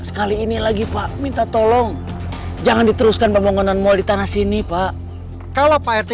sekali ini lagi pak minta tolong jangan diteruskan pembangunan mal di tanah sini pak kalau pak rt